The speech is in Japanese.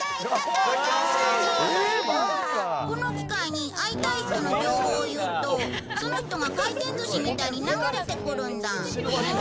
この機械に会いたい人の情報を言うとその人が回転寿司みたいに流れてくるんだ。